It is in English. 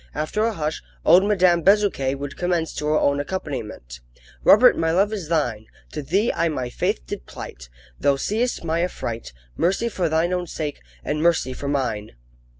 After a hush, old Madame Bezuquet would commence to her own accompaniment: "Robert, my love is thine! To thee I my faith did plight, Thou seest my affright, Mercy for thine own sake, And mercy for mine!"